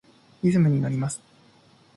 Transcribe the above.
リズムにのります。